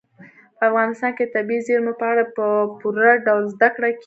په افغانستان کې د طبیعي زیرمو په اړه په پوره ډول زده کړه کېږي.